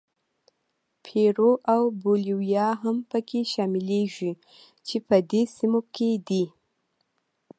پیرو او بولیویا هم پکې شاملېږي چې په دې سیمو کې دي.